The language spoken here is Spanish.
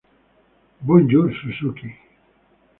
Bonjour Suzuki.